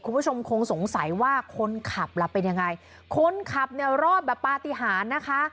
คุณผู้ชมคงสงสัยว่าคนขับล่ะเป็นยังไงคนขับเนี่ยรอดแบบปฏิหารนะคะ